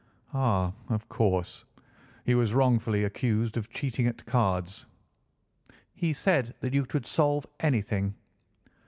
"Ah, of course. He was wrongfully accused of cheating at cards." "He said that you could solve anything."